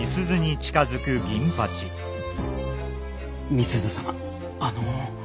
美鈴様あの。